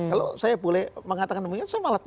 kalau saya boleh mengatakan demikian saya malah tahu